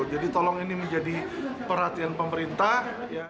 jadi tolong ini menjadi perhatian pemerintah